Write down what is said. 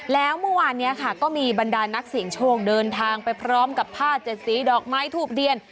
แล้วเมื่อวานนี้ค่ะก็มีบรรดานักเสี่ยงโชคเดินทางไปพร้อมกับผ้าเจ็ดสีดอกไม้ทูบเทียน